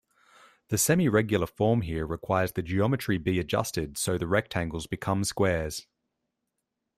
The semiregular form here requires the geometry be adjusted so the rectangles become squares.